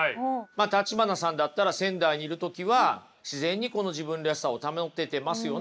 橘さんだったら仙台にいる時は自然にこの自分らしさを保ててますよね。